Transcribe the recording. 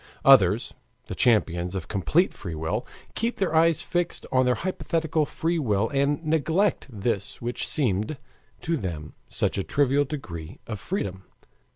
Others the champions of complete free will keep their eyes fixed on their hypothetical free will and neglect this which seemed to them such a trivial degree of freedom.